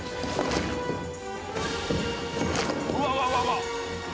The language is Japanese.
「うわうわうわうわ」